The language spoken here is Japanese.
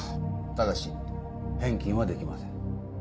ただし返金はできません。